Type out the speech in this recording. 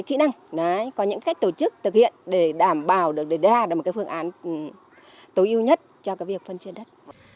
có những cái kỹ năng có những cái tổ chức thực hiện để đảm bảo được để ra được một cái phương án tối ưu nhất cho cái việc phân chia đất